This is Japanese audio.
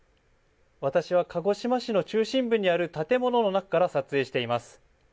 私は鹿児島市の中心部にある建物の中から撮影しています。